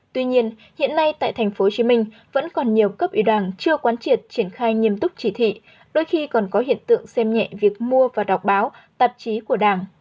tuy nhiên hiện nay tại tp hcm vẫn còn nhiều cấp ủy đảng chưa quán triệt triển khai nghiêm túc chỉ thị đôi khi còn có hiện tượng xem nhẹ việc mua và đọc báo tạp chí của đảng